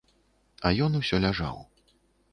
А ён усё ляжаў.